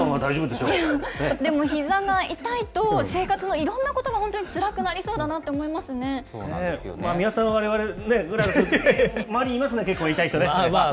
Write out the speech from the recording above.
でも、ひざが痛いと、生活のいろんなことが本当につらくなりそうだなと三輪さん、われわれぐらいの年は周り、いますね、結構、痛い人ね。